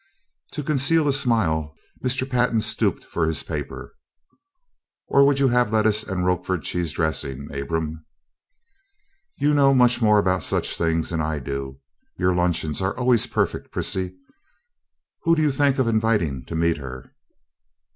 To conceal a smile, Mr. Pantin stooped for his paper. "Or would you have lettuce with roquefort cheese dressing, Abram?" "You know much more about such things than I do your luncheons are always perfect, Prissy. Who do you think of inviting to meet her?"